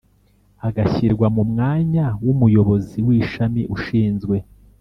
agashyirwa mu mwanya w Umuyobozi w Ishami ushinzwe